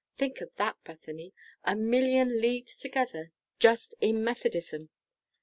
Think of that, Bethany a million leagued together just in Methodism!